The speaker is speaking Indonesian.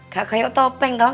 gak kayak topeng tau